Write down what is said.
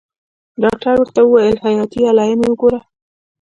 ډاکتر ورته وويل حياتي علايم يې وګوره.